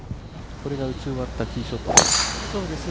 これが打ち終わったティーショット。